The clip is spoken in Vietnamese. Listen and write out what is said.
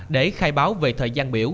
để khai báo về thời gian biểu